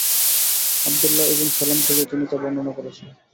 Abdullah ibn Salam থেকেও তিনি তা বর্ণনা করেছেন।